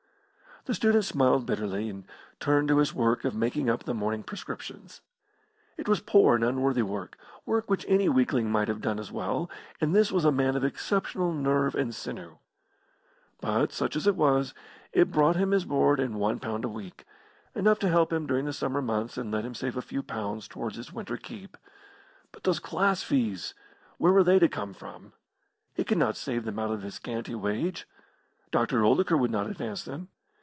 The student smiled bitterly, and turned to his work of making up the morning prescriptions. It was poor and unworthy work work which any weakling might have done as well, and this was a man of exceptional nerve and sinew. But, such as it was, it brought him his board and One pound a week enough to help him during the summer months and let him save a few pounds towards his winter keep. But those class fees! Where were they to come from? He could not save them out of his scanty wage. Dr. Oldacre would not advance them.